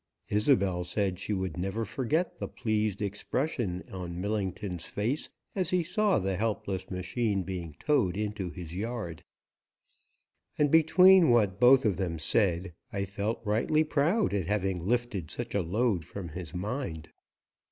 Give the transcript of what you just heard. Isobel said she would never forget the pleased expression on Millington's face as he saw the helpless machine being towed into his yard, and between what both of them said I felt rightly proud at having lifted such a load from his mind.